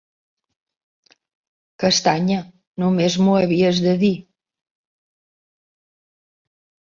Castanya només m'ho havies de dir!